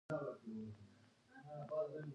دا حق له جوړښتونو څخه غوښتنه کوي.